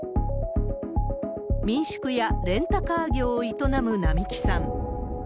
民宿やレンタカー業を営む並木さん。